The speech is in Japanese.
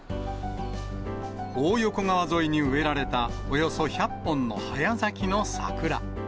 大横川沿いに植えられた、およそ１００本の早咲きの桜。